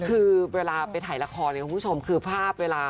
คือเวลาไปถ่ายละครเนี่ยคุณผู้ชมคือภาพเวลา